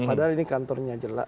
padahal ini kantornya jelas